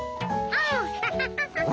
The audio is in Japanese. アハハハハハハ。